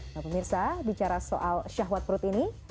nah pemirsa bicara soal syahwat perut ini